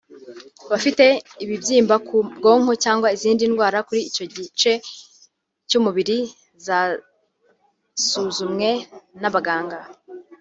Abafite ibibyimba ku bwonko cyangwa izindi ndwara kuri icyo gice cy’umubiri zasuzumwe n’abaganga